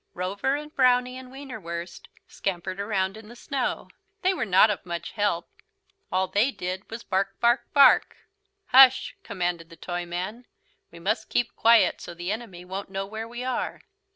Rover and Brownie and Wienerwurst scampered around in the snow. They were not of much help. All they did was to bark bark bark. "Hush!" commanded the Toyman. "We must keep quiet so the enemy won't know where we are."